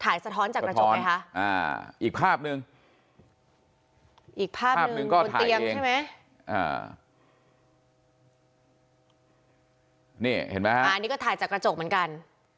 ถ่ายสะท้อนจากกระจกไหมคะอ่าอีกภาพหนึ่งอีกภาพหนึ่งก็ถ่ายเองอ่าอันนี้ก็ถ่ายจากกระจกเหมือนกัน